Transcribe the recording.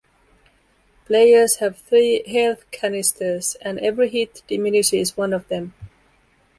Players have three "health canisters", and every hit diminishes one of them.